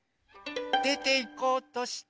でていこうとしてます。